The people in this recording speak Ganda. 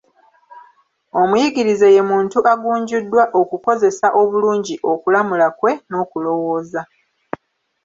Omuyigirize ye muntu agunjuddwa okukozesa obulungi okulamula kwe n'okulowooza.